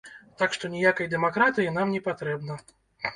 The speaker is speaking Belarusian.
Так што ніякай дэмакратыі нам не патрэбна.